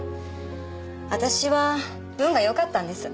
私は運が良かったんです。